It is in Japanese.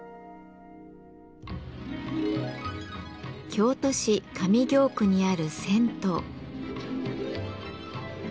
京都市上京区にある銭湯。